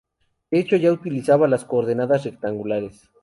De hecho ya utilizaba las coordenadas rectangulares.